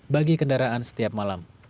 bagi kendaraan setiap malam